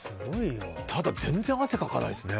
ただ全然、汗かかないですね。